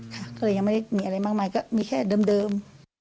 ค่ะก็เลยยังไม่ได้มีอะไรมากมายก็มีแค่เดิม